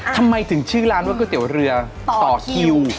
ทำไมถึงชื่อร้านว่าก๋วยเตี๋ยวเรือต่อคิว